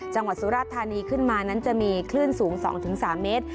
สุราธานีขึ้นมานั้นจะมีคลื่นสูง๒๓เมตร